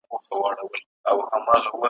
زه به مي ولي لا توبه پر شونډو ګرځومه ,